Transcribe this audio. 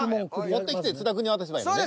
持ってきて津田くんに渡せばいいのね？